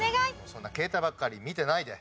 そんな携帯ばっかり見てないで。